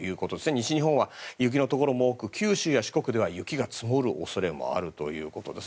西日本は雪のところも多く九州や四国では雪が積もる恐れもあるということです。